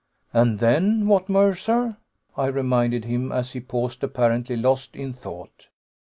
"And then what, Mercer?" I reminded him, as he paused, apparently lost in thought.